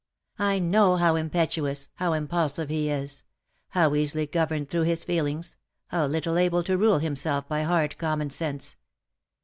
I know how impetuous, how impulsive he is ; how easily governed through his feelings, how little able to rule himself by hard common sense.